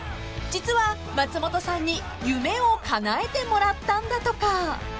［実は松本さんに夢を叶えてもらったんだとか］